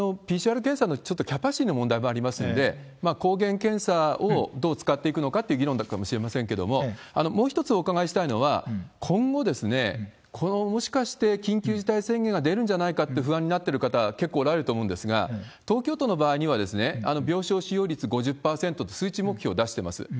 ＰＣＲ検査のちょっとキャパシティーの問題もありますんで、抗原検査をどう使っていくのかっていう議論だったかもしれませんけれども、もう一つお伺いしたいのは、今後、これ、もしかして緊急事態宣言が出るんじゃないかって不安になっておられる方、結構おられると思うんですが、東京都の場合には、病床使用率５０％と数値目標出してます。